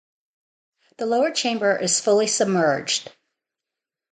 The lower chamber is fully submerged.